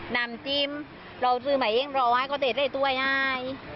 น้ำจิ้มร้อซื้อมาเองร้อมาให้เขาเตะได้ด้วยไง